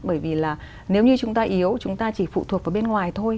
bởi vì là nếu như chúng ta yếu chúng ta chỉ phụ thuộc vào bên ngoài thôi